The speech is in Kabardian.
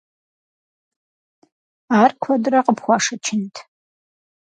Ар куэдрэ къыпхуашэчынт?